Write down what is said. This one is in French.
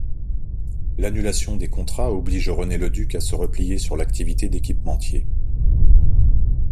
L’annulation des contrats oblige René Leduc à se replier sur l’activité d’équipementier.